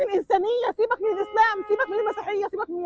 di mana islam di mana islam